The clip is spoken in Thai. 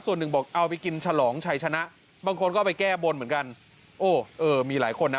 ส่วนหนึ่งบอกเอาไปกินฉลองชัยชนะบางคนก็ไปแก้บนเหมือนกันโอ้เออมีหลายคนนะ